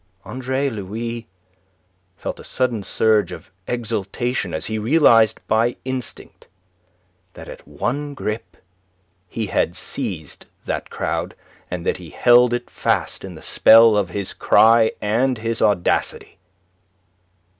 Andre Louis felt a sudden surge of exaltation as he realized by instinct that at one grip he had seized that crowd, and that he held it fast in the spell of his cry and his audacity.